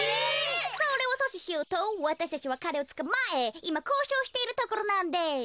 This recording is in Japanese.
それをそししようとわたしたちはかれをつかまえいまこうしょうしているところなんです。